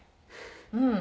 うん。